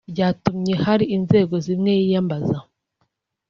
byatumye hari inzego zimwe yiyambaza